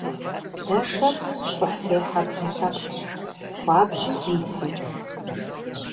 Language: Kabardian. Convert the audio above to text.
Блэшэр щхъухьзехьэ блэ лъэпкъщ, хуабжьу зидзу.